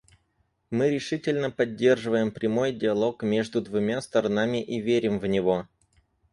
Мы решительно поддерживаем прямой диалог между двумя сторонами и верим в него.